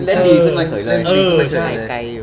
เล่นดีสุดมากเลย